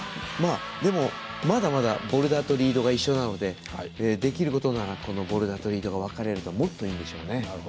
でも、まだまだボルダーとリードが一緒なのでできることならボルダーとリードが分かれるともっといいんでしょうね。